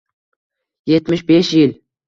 Yetmish besh yil